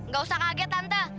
gak usah kaget tante